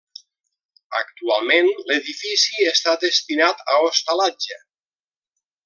Actualment, l'edifici està destinat a hostalatge.